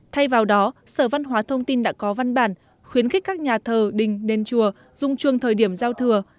thay vào đó sở văn hóa thông tin đã có văn bản khuyến khích các nhà thờ đình đền chùa dung chuông thời điểm giao thừa